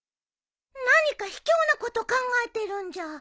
何かひきょうなこと考えてるんじゃ。